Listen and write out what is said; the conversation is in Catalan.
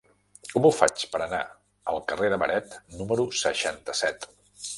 Com ho faig per anar al carrer de Beret número seixanta-set?